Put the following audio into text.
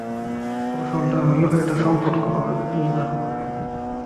কৌশলটা হলো এটা সম্পর্কে না ভাবা।